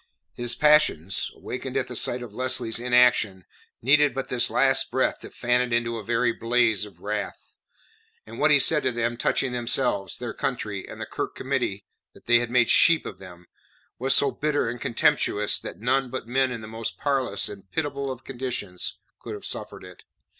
His passions awakened at the sight of Lesley's inaction needed but this last breath to fan it into a very blaze of wrath. And what he said to them touching themselves, their country, and the Kirk Committee that had made sheep of them, was so bitter and contemptuous that none but men in the most parlous and pitiable of conditions could have suffered it.